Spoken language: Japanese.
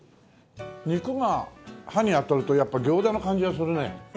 肉が歯に当たるとやっぱ餃子の感じがするね。